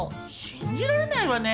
信じられないわね。